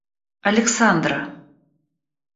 Александра